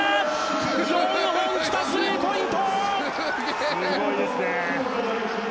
４本来た、スリーポイント！